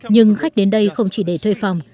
nhưng khách đến đây không chỉ để thuê phòng